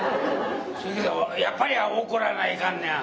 やっぱり怒らないかんねや。